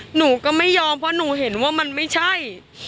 หนูก็ไม่ยอมเพราะหนูเห็นว่ามันไม่ใช่